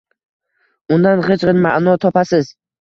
Undan g‘ij-g‘ij ma’no topasiz.